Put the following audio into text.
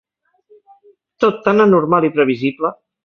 Tot tan anormal i previsible!